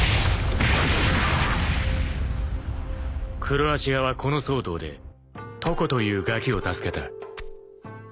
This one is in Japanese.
［黒足屋はこの騒動でトコというガキを助けた］